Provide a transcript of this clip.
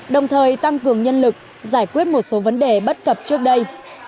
đồng thời tăng cường nhân lực giải quyết một số vấn đề bất cập trước đây